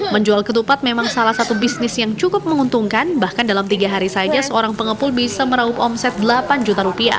menjual ketupat memang salah satu bisnis yang cukup menguntungkan bahkan dalam tiga hari saja seorang pengepul bisa meraup omset rp delapan juta rupiah